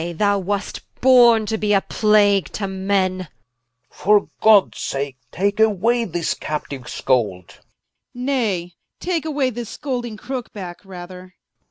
I, thou wast borne to be a plague to men Rich. For Gods sake, take away this Captiue Scold Prince. Nay, take away this scolding Crooke backe, rather Edw.